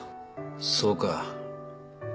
そうか。